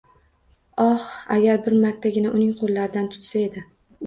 Oh, agar bir martagina uning qo‘llaridan tutsa edi.